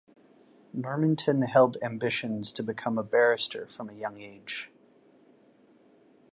Normanton held ambitions to become a barrister from a young age.